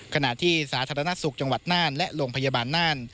ขณะที่สาธารณสุขจังหวัดน่านและโรงพยาบาลน่าน